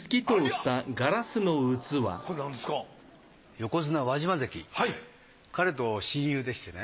横綱輪島関彼と親友でしてね。